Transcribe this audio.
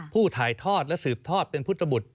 ถ่ายทอดและสืบทอดเป็นพุทธบุตร